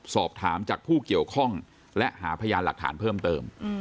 สอบถามจากผู้เกี่ยวข้องและหาพยานหลักฐานเพิ่มเติม